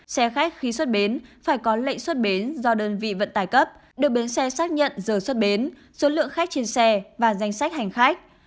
xe khách khi xuất bến phải có lệnh xuất bến do đơn vị vận tải cấp được bến xe xác nhận giờ xuất bến số lượng khách trên xe và danh sách hành khách